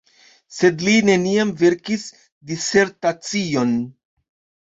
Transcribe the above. Sed li neniam verkis disertacion.